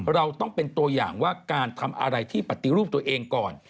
เราต้องเป็นตัวอย่างว่าการทำอะไรที่ปฏิรูปตัวเองก่อน